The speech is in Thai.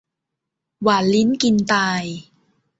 หวานลิ้นกินตาย